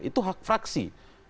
itu hak fraksi